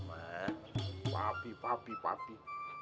gak mah papi papi